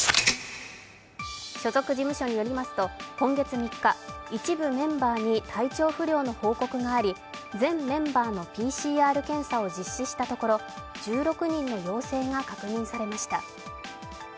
所属事務所によりますと今月３日、一部メンバーに体調不良の報告があり全メンバーのＰＣＲ検査を実施したところ１６人の陽性が確認されました。